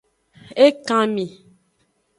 Ekanmi.